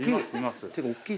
大きい。